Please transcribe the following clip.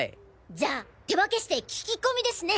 じゃあ手分けして聞き込みですね！